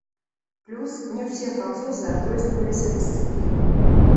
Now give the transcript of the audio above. Плюс, не ўсе французы адрозніваліся дысцыплінай.